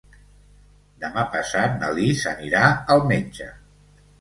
Demà passat na Lis anirà al metge.